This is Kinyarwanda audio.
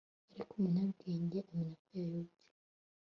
ariko umunyabwenge amenya ko yayobye